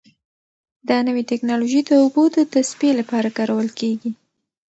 دا نوې ټیکنالوژي د اوبو د تصفیې لپاره کارول کیږي.